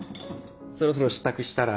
そろそろ支度したら？